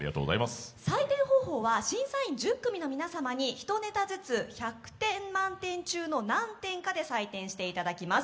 採点方法は審査員１０組の皆様に１ネタずつ１００点満点中の何点かで採点していただきます。